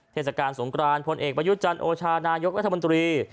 เทศกาลสงกรานพลเอกประยุทธ์จันทร์โอชานายกรัฐมนตรี